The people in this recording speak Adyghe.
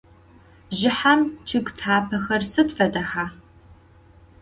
Bjjıhem ççıg thapexer sıd fedexa?